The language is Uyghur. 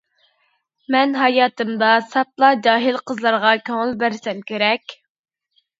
مەن ھاياتىمدا ساپلا جاھىل قىزلارغا كۆڭۈل بەرسەم كېرەك.